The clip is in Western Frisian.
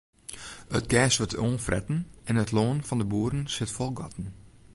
It gers wurdt oanfretten en it lân fan de boeren sit fol gatten.